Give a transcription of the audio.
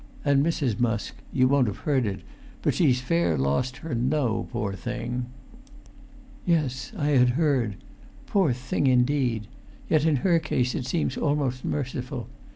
And Mrs. Musk—you won't have heard it—but she's fair lost her know, poor thing!" "Yes, I had heard. Poor thing, indeed! Yet in her case it seems almost merciful.